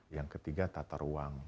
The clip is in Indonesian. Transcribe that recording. yang ketiga tata ruang